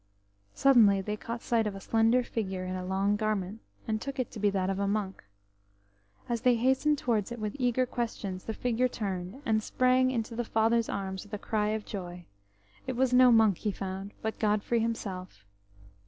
Suddenly they caught sight of a slender figure in a long garment, and took it to be that of a monk. As they hastened towards it with eager questions, the figure turned, and sprang into the father's arms with a cry of joy. It was no monk he found, but Godfrey himself.